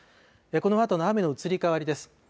このあとの雨の移り変わりです。